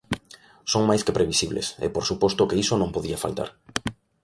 Son máis que previsibles, e por suposto que iso non podía faltar.